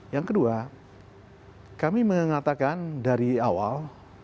yang kedua kami mengatakan dari awal